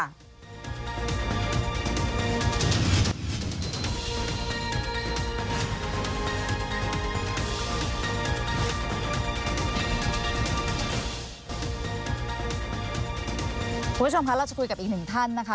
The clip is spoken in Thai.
คุณผู้ชมคะเราจะคุยกับอีกหนึ่งท่านนะคะ